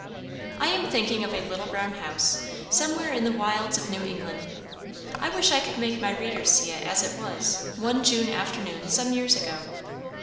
I am thinking of a little brown house, somewhere in the wilds of New England. I wish I could make my readers see it as it was, one June afternoon some years ago.